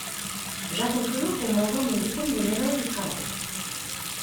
J'attends toujours qu'on m'envoie mon diplôme de médaille du travail.